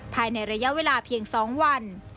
ภายในระยะเวลาเพียง๒วัน